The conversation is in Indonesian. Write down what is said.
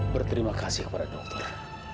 berterima kasih kepada dokter